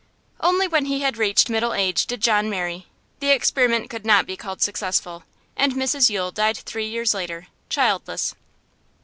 Only when he had reached middle age did John marry; the experiment could not be called successful, and Mrs Yule died three years later, childless.